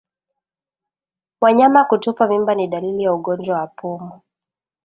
Wanyama kutupa mimba ni dalili ya ugonjwa wa pumu